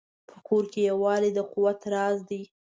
په کور کې یووالی د قوت راز دی.